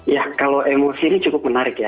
ya kalau emosi ini cukup menarik ya